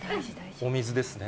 お水ですね。